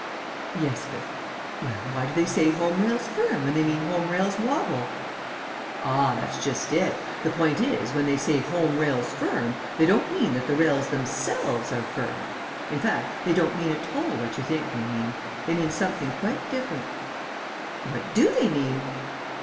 "Yes, but " "Well, why do they say 'Home Rails Firm' when they mean 'Home Rails Wobble'?" "Ah, that's just it. The point is that when they say 'Home Rails Firm,' they don't mean that the rails themselves are firm. In fact, they don't mean at all what you think they mean. They mean something quite different." "What do they mean?"